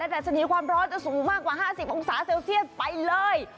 ดัชนีความร้อนจะสูงมากกว่า๕๐องศาเซลเซียตไปเลย